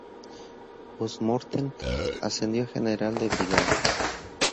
Post Mortem ascendió a General de Brigada.